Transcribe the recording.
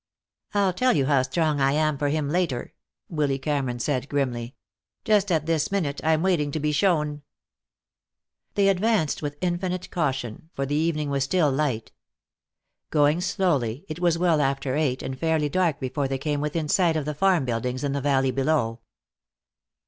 "I'll tell you how strong I am for him later," Willy Cameron said, grimly. "Just at this minute I'm waiting to be shown." They advanced with infinite caution, for the evening was still light. Going slowly, it was well after eight and fairly dark before they came within sight of the farm buildings in the valley below.